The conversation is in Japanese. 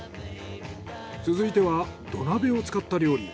続いては土鍋を使った料理。